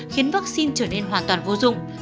khiến vắc xin trở nên hoàn toàn vô dụng